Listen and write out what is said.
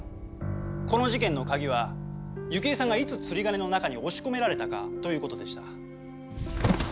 この事件の鍵は雪枝さんがいつ釣り鐘の中に押し込められたかという事でした。